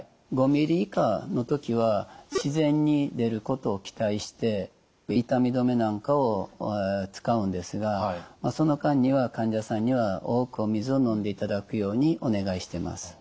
５ｍｍ以下の時は自然に出ることを期待して痛み止めなんかを使うんですがその間には患者さんには多くお水を飲んでいただくようにお願いしてます。